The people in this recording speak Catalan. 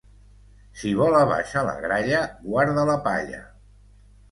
Si vola baixa la gralla, guarda la palla.